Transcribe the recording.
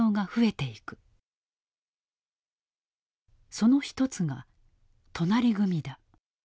その一つが隣組だ。